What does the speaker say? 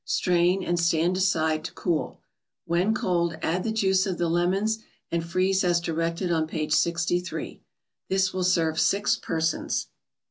Strain, and stand aside to cool. When cold, add the juice of the lemons, and freeze as directed on page 63. This will serve six persons.